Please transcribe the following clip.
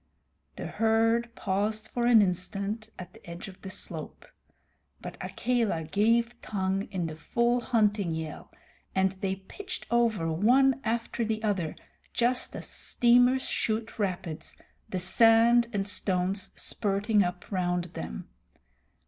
The herd paused for an instant at the edge of the slope, but Akela gave tongue in the full hunting yell, and they pitched over one after the other, just as steamers shoot rapids, the sand and stones spurting up round them.